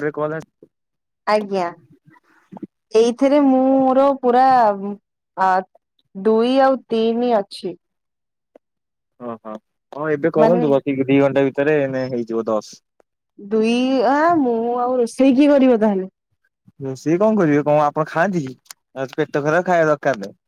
ଗୋଟେ କଲ ଆଜ୍ଞା ଏଇଥିରେ ମୁଁ ମୋର ପୁରା ଆ ଦୁଇ ଆଉ ତିନି ଅଛି। ଓହୋ ହଁ ଏବେ ମାନେ କୁହନ୍ତୁ ବସିକି ଦି ଘଣ୍ଟା ଭିତରେ ଏଇନା ହେଇଯିବ ଦଶ। ସେତିକି କରିବ ତାହେଲେ। ରୋଷେଇ କଣ କରିବେ କଣ ଆପଣ ଖାଆନ୍ତି କି ପେଟ ଖରାପ ଖାଇବା ଦରକାର ନାହିଁ।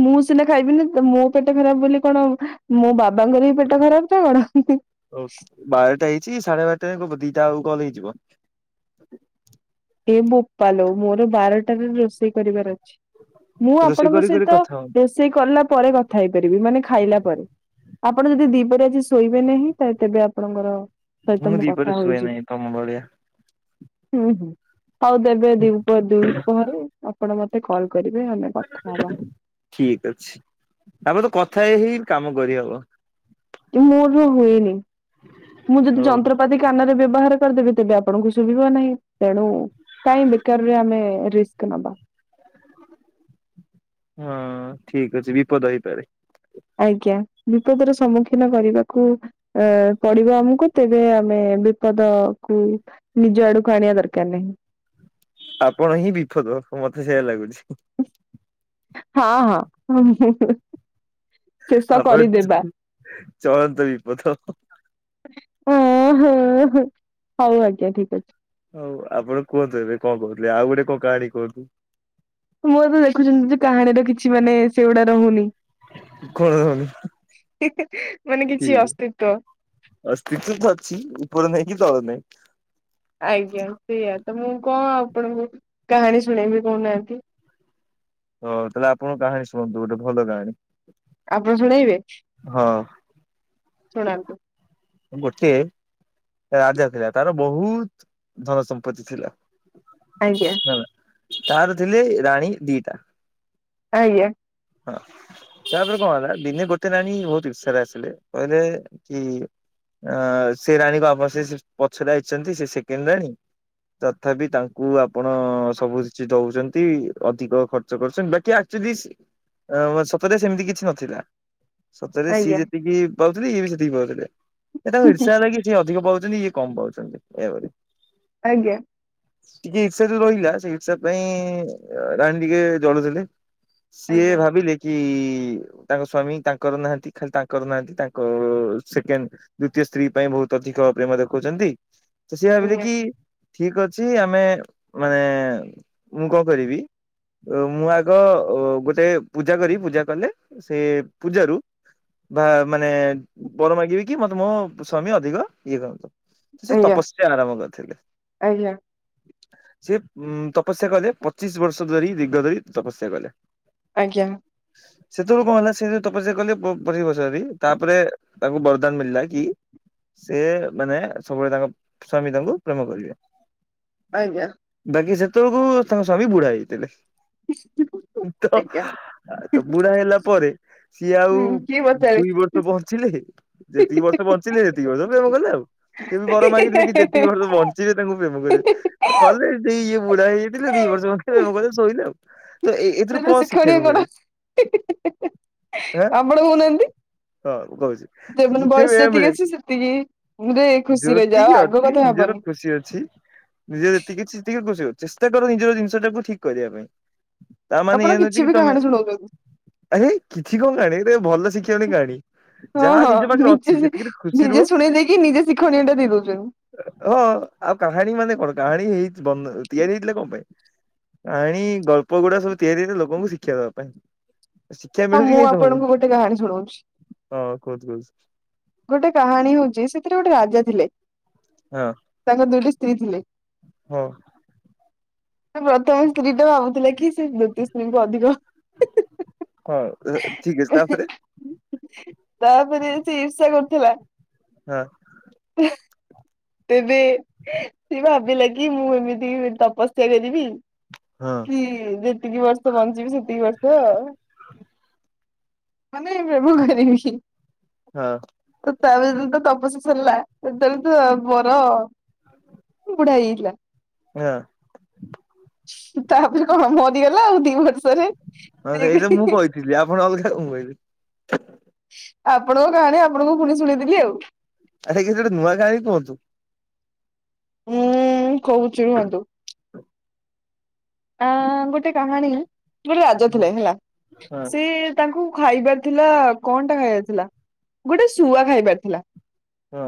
ମୁଁ ସିନା ଖାଇବିନି ମୋ ପେଟ ଖରାପ ବୋଲି କଣ ମୋ ବାପ ବାବାଙ୍କର ବି ପେଟ ଖରାପ ଅଛି ନା କଣ? ତ କବ ଦିଟା ଆଉ କଲ ହେଇଯିବ। [inaudible] ତମକୁ ରୋଷେଇ କରିବାର ଅଛି। ମୁଁ ରୋଷେଇ ଆପଣଙ୍କ କରି କରି ସହିତ କଥା ହୁଅନ୍ତୁ ରୋଷେଇ କଲା ପରେ କଥା ହେଇପାରିବି ମାନେ ଖାଇଲା ପରେ। ଆପଣ ଯଦି ଦିପହରେ ଆଜି ଶୋଇବେନି ତେବେ ଆପଣଙ୍କର ସହିତ ମୁଁ କଥା ଦିପହରେ ଶୁଏ ହୋଇଯିବି। ନାଇଁ ତମ ଭଳିଆ। ହୁଁ ହୁଁ ଆଉ ତେବେ ଦୁଇ ପରେହ ଆପଣ ମତେ କଲ ଠିକ ଅଛି ତାପରେ ତ କଥା କଥା ହେଇ ହେଇ କାମ କରିହବ। ମୋର ବି ହୁଏନି ମୁଁ ଯଦି ହଉ ଯନ୍ତ୍ରପାତି କାନରେ ବ୍ୟବହାର ତେବେ ଆପଣଙ୍କୁ ଶୁଭିବନି ତେଣୁ କାଇ ବେକାରରେ ଆମେ ରିକ୍ସ ନବା। ହଁ ଠିକ ଅଛି ବିପଦ ହେଇପାରେ। ଆଜ୍ଞା ବିପଦର ସମ୍ମୁଖୀନ କରିବାକୁ ଅ ପଡିବ ଆମକୁ ତେବେ ଆମକୁ ବିପଦ କୁ ନିଜ ଆଡକୁ ଆଣିବା ଦରକାର ନାହିଁ। ଆପଣ ହିଁ ବିପଦ ମତେ ସେଇଆ ଲାଗୁଛି। ହଁ ହଁ। ଶେଷ କରିଦେବା। ଆପଣ ଚଳନ୍ତା ବିପଦ। ଓ ହୋ ହୋ ହଉ ଆଜ୍ଞା ଠିକ୍ ଅଛି। ହଉ ଆପଣ କୁହନ୍ତୁ ଏବେ କଣ କହୁଥିଲେ ଆଉ ଗୋଟେ କଣ କାହାଣୀ କୁହନ୍ତୁ? ମୁଁ ତ ଦେଖୁଛନ୍ତି ଯେ କାହାଣୀର କିଛି ମାନେ ସେଗୁଡା ରହୁନି। କୁହନ୍ତୁ ମାନେ କିଛି କୁହନ୍ତୁ। ଅସ୍ତିତ୍ଵ ଅସ୍ଥି ଭଛି ଉପର ନାହିଁ କି ତଳ ନହିଁ। ଆଜ୍ଞା ସେଇଆ। ତ ମୁଁ କଣ ଆପଣଙ୍କୁ କାହାଣୀ ଶୁଣେଇବି କହୁନାହାନ୍ତି। ହ ତାହେଲେ ଆପଣଙ୍କ କାହାଣୀ ଶୁଣନ୍ତୁ ଗୋଟେ ଭଲ କାହାଣୀ। ଆପଣ ଶୁଣେଇବେ। ହଁ ଶୁଣନ୍ତୁ। ଗୋଟେ ରାଜା ଥିଲା ତାର ବହୁତ ଧନ ସମ୍ପତ୍ତି ଥିଲା। ଆଜ୍ଞା। ହେଲା ତାର ଥିଲେ ରାଣୀ ଦିଇଟା। ଆଜ୍ଞା। ହଁ। ତାପରେ କଣ ହେଲା ଦିନେ ଗୋଟେ ରାଣୀ ବହୁତ ଇର୍ଷା ଆସିଲେ କହିଲେ କି। ଅ ସେ ରାଣୀକୁ ଆପଣ ସେ ପଛରେ ଆସିଛନ୍ତି ସେ ସେକେଣ୍ଡ ରାଣୀ। ତଥାପି ତାଙ୍କୁ ଆପଣ ସବୁ କିଛି ଦଉଛନ୍ତି ଅଧିକ ଖର୍ଚ୍ଚ କରୁଛନ୍ତି ବାକି ଆ ସୁ ଦିସ୍। ସତରେ ସେମିତି କିଛି ନଥିଲା ସତରେ ସିଏ ଆଜ୍ଞା ଯେତିକି ପାଉଥିଲେ ସିଏ ବି ସେତିକି ପାଉଥିଲେ। ସେଟାକୁ ଇର୍ଷା ହେଲାକି ସିଏ ଅଧିକ ପାଉଛନ୍ତି ଇଏ କମ ପାଉଛନ୍ତି ଏପ। ଆଜ୍ଞା। ଟିକେ ଇର୍ଷା ଯଉ ରହିଲା ସେ ଇର୍ଷା ପାଇଁ ରାଣୀ ଟିକେ ଜଳୁଥିଲେ। ସିଏ ଆଜ୍ଞା ଭାବିଲେ କି ତାଙ୍କ ସ୍ଵାମୀ ତାଙ୍କର ନାହାନ୍ତି ଖାଲି ତାଙ୍କର ନାହାନ୍ତି ତାଙ୍କ ସେକେଣ୍ଡ ଦ୍ୱତୀୟ ସ୍ତ୍ରୀ ପାଇଁ ବୋହୁତ ବହୁତ ଅଧିକ ଭ ପ୍ରେମ ଦେଖଉଛନ୍ତି ତ ସେ ଭାବିଲେ ଆଜ୍ଞା କି ଠିକ୍ ଅଛି ଆମେ ମାନେ ମୁଁ କଣ କରିବି। ମୁଁ ଆଗ ଗୋଟେ ପୂଜା କରି ପୂଜା କଲେ ସେ ପୂଜାରୁ ବା ମାନେ ବର ମାଗିବି କି ମତେ ମୋ ସ୍ଵାମୀ ଅଧିକ ଇଏ କରନ୍ତି। ସେ ଆଜ୍ଞା ତପସ୍ୟା ଆରମ୍ଭ କରିଥିଲେ। ଆଜ୍ଞା ସେ ଉ ତପସ୍ୟା କଲେ ପଚିଶ ବର୍ଷ ଧରି ଦୀର୍ଘ ଧରି ତପସ୍ୟା କଲେ। ଆଜ୍ଞା। ସେତେବେଳେ କଣ ହେଲା ସେ ତପସ୍ୟା କଲେ ପ ବଛରି ତାପରେ ତାଙ୍କୁ ବରଦାନ ମିଳିଲା କି ସେ ମାନେ ସବୁବେଳେ ତାଙ୍କ ସ୍ଵାମୀ ତାଙ୍କୁ ପ୍ରେମ କରିବେ। ଆଜ୍ଞା। ବାକି ସେତେବେଳକୁ ତାଙ୍କ ସ୍ଵାମୀ ବୁଢା ହେଇଥିଲେ ତ ତ ବୁଢା ହେଲା ପରେ ସିଏ ଆଉ ହୁଁ କିଏ ପଚାରେ ଦୁଇ ବର୍ଷ ପହଞ୍ଚିଲେ ଯେତିକି ବର୍ଷ ବଞ୍ଚିଲି ସେତିକି ବର୍ଷ ପ୍ରେମ କଲେ ଆଉ। ସିଏ ବି ବର ମାଗିଥିଲେ କି ଯେତିକି ବର୍ଷ ବଞ୍ଚିବେ ତାଙ୍କୁ ପ୍ରେମ କରିବେ କହିଲ ସେଇ ଇଏ ବୁଢା ହେଇଯାଇଥିଲେ [inaudible] ଶୋଇଲେ ତ ସେ ଏଥିରୁ କଣ ଶିକ୍ଷଣୀୟ ଶିଖିବାକୁ କଣ ମିଳେ ଆଁ ଆପଣ କହୁନାହାନ୍ତି। ହଁ କହୁଛି ମାନେ ଶା ବୟସ ବି ଯେତିକି ମିି ଅଛି ସେତିକି ରେ ଖୁସିରେ ଯାଅ ଜୋତିକି ଆଗ ଅଛି କଥା ନିଜର ଭାବନି ଖୁସି ନିଜତିକିତିେ ଖୁସି କର ଚେଷ୍ଟା କର ନିଜର ଜିନିଷ ଟାକୁ ଠିକ୍ କରିବା ପାଇଁ ତା ମାନେ ଇଏ ଆପଣ ନଛି କିଛି କି ବି ତମେ କାହାଣୀ ଶୁଣଉଛନ୍ତି। ଆରେ କିଛି କଣ କାଣ ଭଲ ଶିକ୍ଷଣୀୟ କାହାଣୀ। ହଁ ଯାହା ହଁ ନିଜ ପାଖରେ ଅଛି ନିଜେ ସେତିକିରେ ଖୁସି ରୁହ ନିଜେ ଶୁଣେଇ ଦେଇକି ନିଜେ ଶିକ୍ଷଣୀୟ ଟା ଦେଇ ଦଉଛନ୍ତି। ହଁ ଆଉ କାହାଣୀ ମାନେ କଣ କାହାଣୀ ହେଇଛି ବନ୍ ଓ ତିଆରି ହେଇଥିଲା କଣ ପାଇଁ, ଆଣି ଗଳ୍ପ ଗୁଡା ସବୁ ତିଆରି ହେଇଚି ଲୋକଙ୍କୁ ଶିକ୍ଷା ଦେବା ପାଇଁ ଶିକ୍ଷା ହଁ ମିଳୁଛି କି ମୁଁ ନାଇଁ ତମକୁ ଆପଣଙ୍କୁ ଗୋଟେ କାହାଣୀ ଶୁଣଉଛି ହଁ କହୁଛି କହୁଛି ଗୋଟେ କାହାଣୀ ହଉଛି, ସେଥିରେ ଗୋଟେ ରାଜା ଥିଲେ ହଁ ତାଙ୍କ ଦୁଇଟି ସ୍ତ୍ରୀ ଥିଲେ। ହଁ ପ୍ରଥମ ସ୍ତ୍ରୀ ଟା ଭାବୁଥିଲା କି ସେ ଦ୍ବିତୀୟ ସ୍ତ୍ରୀଙ୍କୁ ଅଧିକ ହଁ ଏଇଟା ଠିକ ଅଛି ତାପରେ। ତାପରେ ସେ ଈର୍ଷା କରୁଥିଲା। ହଁ। ତେବେ ସେ ଭାବିଲା କି ମୁଁ ଏମିତି ତପସ୍ୟା କରିବି ହଁ କି ଯେତିକି ବର୍ଷ ବଞ୍ଚିବି ସେତିକି ବର୍ଷ ହଁ [unintelligible] [unintelligible] [unintelligible] ହଁ। ତାପରେ କଣ ମରିଗଲା ଆଉ ଦି ବର୍ଷରେ ହଁ ସେଇତ ମୁଁ କହିଥିଲି ଆପଣ ଅଲଗା କଣ କହିଲେ। ଆପଣଙ୍କ କାହାଣୀ ଆପଣଙ୍କୁ ପୁଣି ଶୁଣେଇ ଦେଲି ଆଉ। ଆରେ କିଛି ଗୋଟେ ନୂଆ କାହାଣୀ କୁହନ୍ତୁ। ହୁଁ କହୁଛି ରୁହନ୍ତୁ। ଆଁ ଗୋଟେ କାହାଣୀ ଗୋଟେ ରାଜା ହଁ ଥିଲେ ହେଲା। ସେ ହଁ ତାକୁ ଖାଇବାର ଥିଲା, କଣଟା ଖାଇବାର ଥିଲା ଗୋଟେ ଶୁଆ ଖାଇବାର ଥିଲା। ହଁ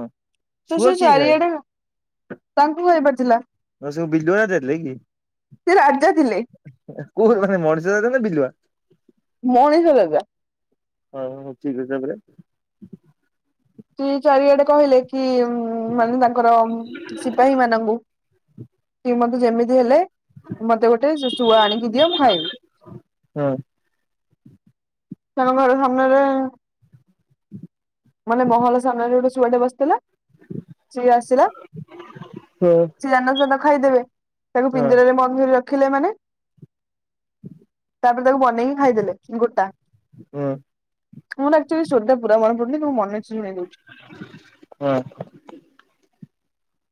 ତ ସେ ଶୁଆ କିଏ ଖାଏ? ଚାରିଆଡେ ତାଙ୍କୁ ଖାଇବାର ଥିଲା। ଓ ସଉ ବିଲୁଆ ଦେଲେ କି? ସେ ରାଜା ଥିଲେ ଓ ସେ ମଣିଷ ଜାଗା ନା ବିଲୁଆ ଜାଗା? ମଣିଷ ଜାଗା। ହଁ ହଉ ଠିକ୍ ଅଛି ତାପରେ। ଦୁଇ ଚାରିଆଡେ କହିଲେ କି କି ମାନେ ତାଙ୍କର ସିପାହୀ ମାନଙ୍କୁ କି ଯେମିତି ହେଲେ ମତେ ଗୋଟେ ସେ ଶୁଆ ଆଣିକି ଦିଅ ମୁଁ ଖାଇବି। [inaudible] ହଁ ତାଙ୍କ ଘର ସାମ୍ନାରେ ମାନେ ମହଲ ସାମ୍ନାରେ ଗୋଟେ ଶୁଆଟେ ବସିଥିଲା। ସିଏ ଆସିଲା, ହଁ ସିଏ ଜାଣିନଥିଲା ତାକୁ ଖାଇଦେବେ ତାକୁ ହଁ ପିଞ୍ଜରାରେ ବନ୍ଦୀ ରଖିଲେ ମାନେ ତାପରେ ତାକୁ ବନେଇକି ଖାଇଦେଲେ ଗୋଟା। ହଁ [unintelligible] ହୁଁ।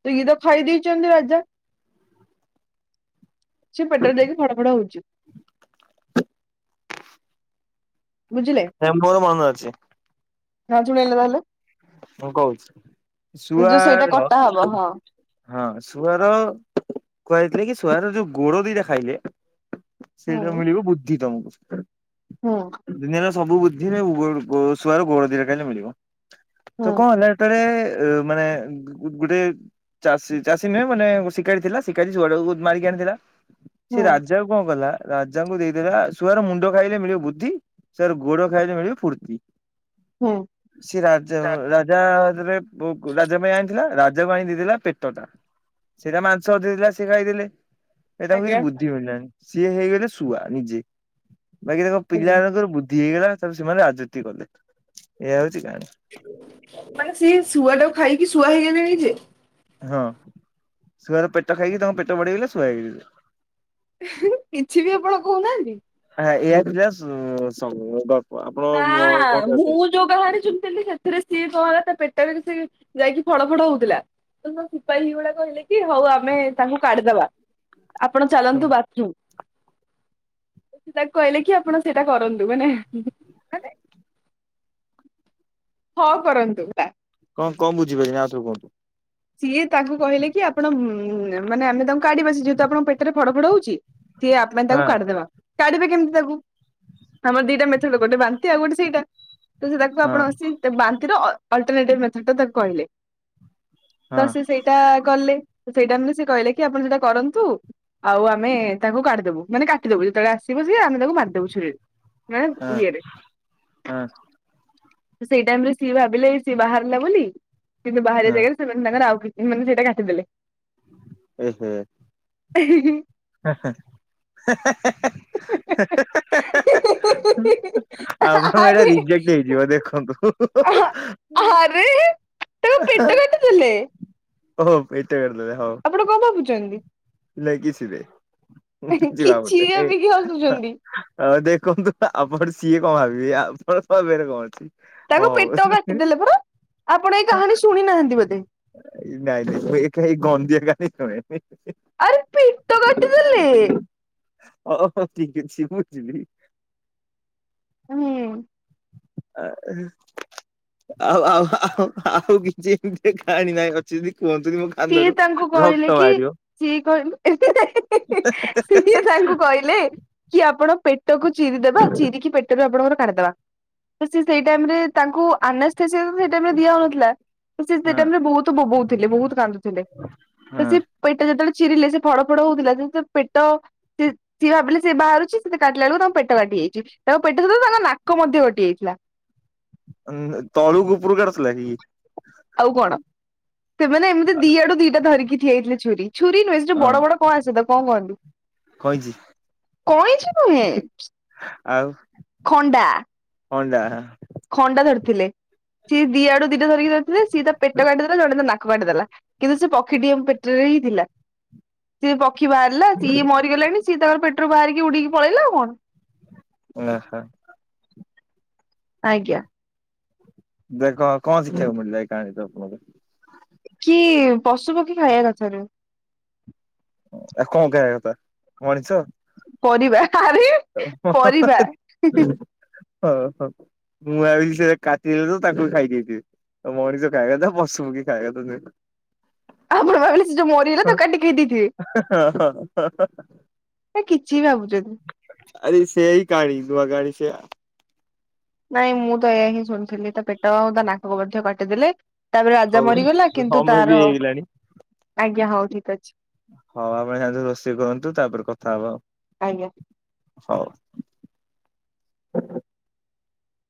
ତ ଇଏ ତ ଖାଇ ଦେଇଚନ୍ତି ରାଜା। ସେ ପେଟରେ ଯାଇକି ଫଡ ଫଡ ହଉଛି। ବୁଝିଲେ। ହଁ ମୋର ମନେ ଅଛି। ହଁ ଶୁଣେଇଲେ ତାହାଲେ। ହଁ କହୁଛି ଯୋଉ ସେଇଟା ଶୁଆର କଟା ହବ ହଁ ଶୁଆର କୁହାଯାଇଥିଲା କି ଶୁଆର ଯୋଉ ଗୋଡ ଦିଟା ଖାଇଲେ ସେଇଟାରୁ ହୁଁ ମିଳିବ ବୁଦ୍ଧି ତମକୁ। ହୁଁ। ଦୁନିଆର ସବୁ ବୁଦ୍ଧିରେ ଉଭୟର ଗୋ ଶୁଆ ର ଗୋଡ଼ ଦିଟା ଖାଇଲେ ମିଳିବ, ତ ହୁଁ କଣ ହେଲା ଏଥରେ ଏ ମାନେ ଗୁ ଗୋଟେ ଚାଷୀ ଚାଷୀ ନୁହେଁ ମାନେ ଶିକାରୀ ଥିଲା, ଶିକାରୀ ଶୁଆ ଟାକୁ ମାରିକି ଆଣିଲା। ସେ ହୁଁ। ରାଜା କଣ କଲା। ରାଜାଙ୍କୁ ଦେଇଦେଲା ଶୁଆର ମୁଣ୍ଡ ଖାଇଲେ ମିଳିବ ବୁଦ୍ଧି ଶୁଆର ଗୋଡ ଖାଇଲେ ମିଳିବି ଫୁର୍ତ୍ତି। ହୁଁ। ସେ ରାଜା ରାଜାରେ ରାଜା ପାଇଁ ଆଣିଥିଲା। ଜ କ ଦେଇଥିଲା ପେଟଟା ସେଇଟା ମାଂସ ଦେଇଥିଲା ସେ ଖାଇଥିଲେ। ଏଟା କେଛିି ଆଜ୍ଞା ବୁଦ୍ଧି ମିଳିଲଣିି ସିଏ ହେଇଗଲେ ଶୁଆ ନିଜେ। ବାକି ତାଙ୍କ ଆଜ୍ଞା। ପିଲାମାନଙ୍କର ବୁଦ୍ଧି ହେଇଗଲା ତା ସେମାନେ ରାଜୁତି କଲେ ଏୟଆ ହଉଛି କାହାଣୀ। ମାନେ ସେ ଶୁଆ ଟା ଖାଇକି ଶୁଆ ହେଇଗଲେ ଯେ? ହଁ ଶୁଆ ପେଟ ଖାଇକି ତାଙ୍କ ପେଟ ବଢେଇଗଲେ ଶୁଆ ହେଇଗଲ। କିଛି ବି ଆପଣ କହୁନାହାନ୍ତି? ଏଇକୁ ଯା [inaudible] ନା ମୁଁ ଯୋଉ ବାହାରେ ସୁଣିଥିଲି ସେଥିରେ ସିଏ କଣ ତା ପେଟରେ ସେ ଯାଇକି ଫଳ ଫଡ ହଉଥିଲା ତ ସ ସିପାହୀ ଭଳିଆ କହିଲେ। କି ହଉ ଆମେ ତାଙ୍କୁ କାଢିଦବା ଆପଣ ଚାଲନ୍ତୁ। ବାଥରୁମ୍। ସେଟା କହିଲେ କି ଆପଣ ସେଇଟା କରନ୍ତୁ। ମାନେ ମାନେ ହଁ କରନ୍ତୁ। ସେଟା। କଣ କଣ ବୁଝିପାରିମି ଆଉଥରେ କୁହ? ସିଏ ତାଙ୍କୁ କହିଲେ କି ଆପଣ ମାନେ ଆମେ ତାଙ୍କୁ କାଢଡିବା ଯେହେତୁ ଆପଣଙ୍କ ପେଟରେ ଫଡ, ଫଡ, ହଉଛି। ସିଏ ଆପଣ ତାକୁ ହଁ କାଢିଦେବା କାଢ଼ିବେ କେମତି ତାକୁ ଆମର ଦିଟା ମେଥଡ ଗୋଟେ ବାନ୍ତି ଆଉ ଗୋଟେ ସେଇଟା। ତ ସେ ତାକୁ ହଁ ଆପଣ ବାନ୍ତିର ଅଲ୍ଟର୍ଣାଟିଭେ ମଥଡଟା ତାକୁ କହିଲେ। ହଁ ତ ସେ ସେଇଟା ଗଲେ। ସେଇଟା ମାନେ ସେ କହିଲେ କି ଆପଣ ସେଇଟା କରନ୍ତୁ। ଆଉ ଆମେ ତାଙ୍କୁ କାଢିଦବୁାନ ମାନେ କାଟିଦବୁ। ବସ ଆମେ ତାକୁ ମାରିଦବୁ ଛୁରୀରେ ମେ ହଁ ଇଏରେ ହଁ ସେଇ ଟାଇମ ରେ ସିଏ ଭାବିଲେ ସିଏ ବାହାରିଲା ବୋଲି କିନ୍ତୁ। ବାହାରିବା ହଁ ଜାଗାରେ। ତାଙ୍କର ଆଉ କି ମାନେ ସେଇଟା କାଟିଦେଲେ। ଓ ହୁଁ। [unintelligible] [unintelligible] ଆଉ ଏଇଟା ଆରେ ରିଜେକ୍ଟ ହେଇଯିବ ଦେଖନ୍ତୁ। ତ ପେଟ କାଟିଦେଲେ। ଓ ଭି [unintelligible] ଆପଣ କଣ ଭାବୁଚନ୍ତି? ନେଇ କିିଛିନାହିଁ କିଛି କିଛିଭାବୁନି ଦେ ଭାବିକି ହସୁଛନ୍ତି ଦେଖ। କୁହନ୍ତୁ ନା ଆପଣ ସିଏ କଣ ଭାବିବେ ଆପଣ ସିଏ ଭାବିବାରେ କଣ ଅଛି? ତାକୁ ପେଟ ହଉ କାଟିଦେଲେ ପରା ଆପଣ ଏଇ କାହାଣୀ ଶୁଣି ନାହାନ୍ତି ବୋଧେ। ନାଇଁ, ନାଇଁ ମୁଁ ଏକା ଗନ୍ଦଧିଆ କାହାଣୀ ଶୁଣିବିନି। ଆରେ ପେଟ କାଟିଦେଲେ [unintelligible] ଓହୋ ଠିକ ଅଛି ବୁଝିଲି। ହୁଁ। ଆ। ଆଉ ଆଉ ଆଉ ଆଉ କିଛି ଏମିତି କାଣ ନାହିଁ ଅଛି। କୁହନ୍ତୁନି ମୋ ସିଏ କାନରୁ ତାଙ୍କୁ କହିଲେ ରକ୍ତ କି ବାହାରିବ। ସିଏ କହିବ ଏମ ସିଏ ତାଙ୍କୁ କହିଲେ କି ଆପଣ ପେ ପେଟ କକୁ ଚିରିଦବା ଚିରିକି ପେଟରେ ଆପଣଙ୍କର କାଢିଦବା ସେ ସେଇ ଟାଇମ ରେ ତାଙ୍କୁ ଅନାସେ। ସୋଇ ଦିଆ ହଉନଥିଲା ହଁ ସୋଇ ବହୁତ ବୋଉବୋଉ ଥିଲେ। କାନ୍ଦୁଥିଲେ ତ ହଁ ସେ ପେଟ ଯେତେବେଳେ। ଛିରିଲ ସେ ଫଡ ଫଡ ହଉଥିଲା ସେ ପେଟ ସେ ସିଏ ଭାବିଲ ସେ ବାହାରୁଛି ସେତେ କାଟିଲା ବଳକୁ ତା ପେଟ କାଟି ତାଙ୍କ ପେଟ ସହିତ ତାଙ୍କ ନାକ ମଧ୍ୟ ଘଟି ଯାଇଥିଲା। ତଳୁ ଗୁପରୁ କଟୁଥିଲା କି। ଆଉ କଣ ସେମାନେ ଏମିତି ଦିଆଡୁ ଦିଟା ଧରିକି ଠିଆ ହେଇଥିଲେ ଛୁରୀ। ଛୁରୀ ନୁହେଁ ସେଠୁ ହଁ ବଡ ବଡ କଣ ଆସେ ତ କଣ କହନ୍ତି କଇଁଚି କଇଁଛି ନୁହେଁ ଖଣ୍ଡା ହଣ୍ଡା ଖଣ୍ଡା ଧରିଥିଲେ ସିଏ ଦିଆ ଆଡୁ ଦିଟା ଧରିକି ଧରିଥିଲେ ସିଏ ତା ପେଟ କାଟିଦେଲା ଜଣେ ତା ନା ଟି ଦେଲା କିନ୍ତୁ ସେ ପକ୍ଷୀଟି ପେଟରେ ହିଁ ଥିଲା ସେ ପକ୍ଷି ବାହାରିଲା ସିଏ ମରିଗଲାଣି ସିଏ ତାଙ୍କର ପେଟରୁ ବାହାରିକି ଉଡିକି ପଳେଇଲା ଆଉ କଣ? ଓ ହୋ। ଆଜ୍ଞା। ଦେଖ କଣ ଶିଖିବାକୁ ମିଳିଲା ଏଇ କାହାଣୀ ରୁ ଆପଣଙ୍କୁ? କି ପଶୁ ପକ୍ଷୀ ଖାଇବା କଥାରୁ ଆଉ କଣ ଖାଇବା କଥା ମଣିଷ? ପରିବା ଆରେ ହ ପରିବା [inaudible] ଓ ହୋ ମୁଁ ସେ କାଟିଦେଲେ ତ ତାକୁ ଖାଇଦେଇଥିବେ। ମଣିଷ ଖାଇବା କଥା ପଶୁ, ପକ୍ଷୀ ଖାଇବା କଥା ନୁହେଁ। ଆପଣ ଭାବିଲେ ସେ ଯୋଉ ମରିଗଲା ତାକୁ କାଟିକି ଦେଇଥିବେ? ହ ହ। ହେ କିଛି ଭାବୁଛନ୍ତି ଆରେ ସେଇ କାଢି ଦୁଆ କାଢି ସେ ନାଇଁ ମୁଁ ତ ଏ ହିଁ ଶୁଣିଥିଲି ତ ପେଟ ତା ନାକକୁ ମଧ୍ୟ କାଟିଦେଲେ। ତାପରେ ରାଜା ହଉ ମରିଗଲା କିନ୍ତୁ ସମୟ ବି ତାର ହେଇଗଲାଣି। ଆଜ୍ଞା ହଉ। ଠିକ ଅଛି ହଉ ଆପଣ ଯାଆନ୍ତୁ ରୋଷେଇ କରନ୍ତୁ ତାପରେ କଥା ହବ ଆଉ। ଆଜ୍ଞା। ହଉ।